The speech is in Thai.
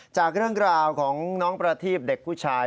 จากเรื่องราวของน้องประทีบเด็กผู้ชาย